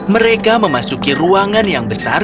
mereka memasuki ruangan yang besar